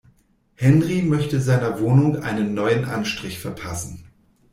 Henry möchte seiner Wohnung einen neuen Anstrich verpassen.